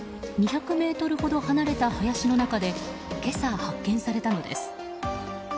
２００ｍほど離れた林の中で今朝、発見されたのです。